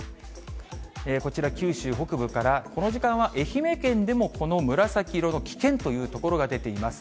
こちら、九州北部から、この時間は愛媛県でも、この紫色の危険という所が出ています。